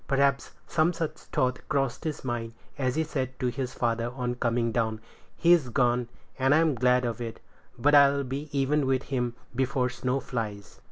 Perhaps some such thought crossed his mind, as he said to his father on coming down, "He's gone, and I'm glad of it; but I'll be even with him before snow flies."